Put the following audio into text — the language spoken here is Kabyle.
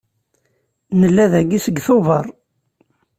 Nella dagi seg Tubeṛ.